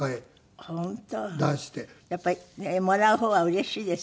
やっぱりもらう方はうれしいですよね